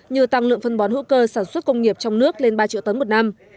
như tăng lượng phân bón hữu cơ sản xuất công nghiệp trong nước lên ba triệu tấn một năm